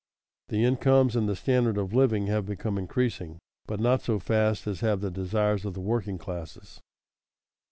The incomes and the standard of living have become increasing, but not so fast as have the desires of the working classes.